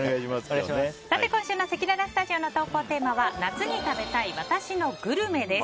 今週のせきららスタジオの投稿テーマは夏に食べたい私のグルメです。